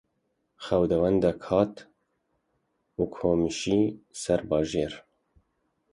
Xwedawendek hat û kumişî ser bajêr.